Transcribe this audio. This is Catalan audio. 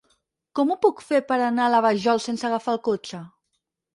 Com ho puc fer per anar a la Vajol sense agafar el cotxe?